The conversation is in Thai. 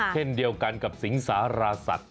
เช่นเดียวกันกับสิงสารสัตว